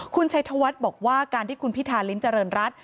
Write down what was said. คุณชัยธวัฒน์บอกว่าการที่คุณพิธาริมเจริญรัฐ